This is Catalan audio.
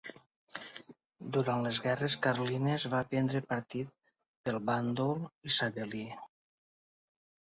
Durant les guerres carlines va prendre partit pel bàndol isabelí.